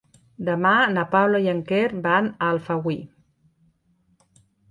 Demà na Paula i en Quer van a Alfauir.